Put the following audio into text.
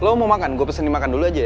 lo mau makan gue pesen dimakan dulu aja ya